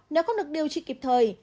nếu không được điều trị kịp thời